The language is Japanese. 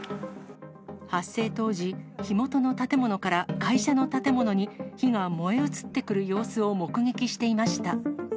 発生当時、火元の建物から会社の建物に火が燃え移ってくる様子を目撃していました。